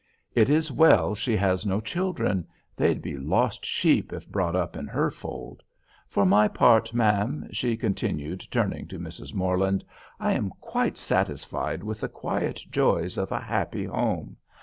It is well she has no children; they'd be lost sheep if brought up in her fold. For my part, ma'am," she continued, turning to Mrs. Morland, "I am quite satisfied with the quiet joys of a happy home.